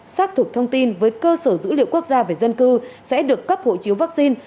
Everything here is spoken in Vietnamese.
xác thực thông tin với cơ sở dữ liệu quốc gia về dân cư sẽ được cấp hộ chiếu vaccine